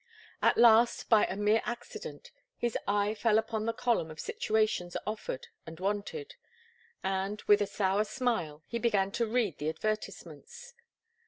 At last, by a mere accident, his eye fell upon the column of situations offered and wanted, and, with a sour smile, he began to read the advertisements.